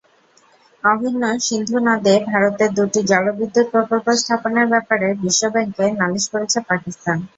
অভিন্ন সিন্ধু নদে ভারতের দুটি জলবিদ্যুৎ প্রকল্প স্থাপনের ব্যাপারে বিশ্বব্যাংকে নালিশ করেছে পাকিস্তান।